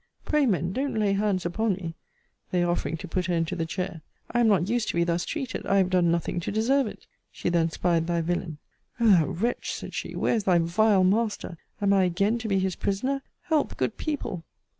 Pray, men, don't lay hands upon me; (they offering to put her into the chair.) I am not used to be thus treated I have done nothing to deserve it. She then spied thy villain O thou wretch, said she, where is thy vile master? Am I again to be his prisoner? Help, good people!